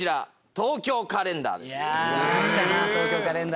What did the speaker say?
『東京カレンダー』です。